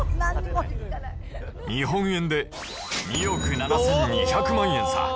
日本円で２億７２００万円さ。